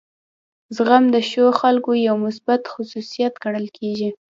زغم د ښو خلکو یو مثبت خصوصیت ګڼل کیږي.